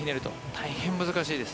大変難しいです。